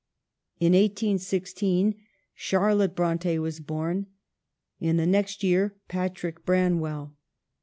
In 1 8 16 Charlotte Bronte was born. In the next year Patrick Branwell.